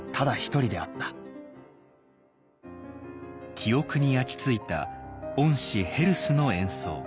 記憶に焼き付いた恩師ヘルスの演奏。